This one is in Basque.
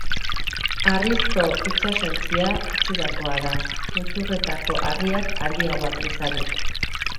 Harrizko itsasontzia itxurakoa da, muturretako harriak handiagoak izanik.